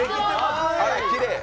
きれい。